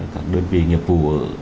các đơn vị nghiệp vụ